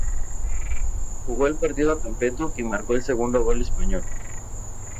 Jugó el partido completo y marcó el segundo gol español.